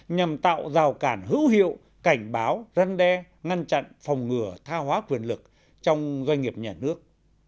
nhằm tạo rào cản hữu hiệu cảnh báo răn đe ngăn chặn phòng ngừa tha hóa quyền lực trong doanh nghiệp nhà nước